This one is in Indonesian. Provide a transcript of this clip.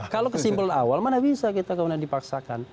kalau kesimpulan awal mana bisa kita kemudian dipaksakan